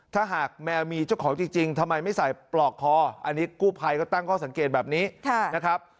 ถ้าหากแมวมีเจ้าของจริงทำไมไม่ใส่ปลอกคออันนี้กู้ภัยก็ตั้งข้อสังเกตแบบนี้นะครับ